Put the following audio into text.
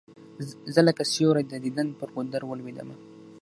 زه لکه سیوری د دیدن پر گودر ولوېدلم